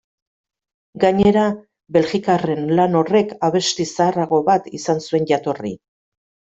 Gainera, belgikarren lan horrek abesti zaharrago bat izan zuen jatorri.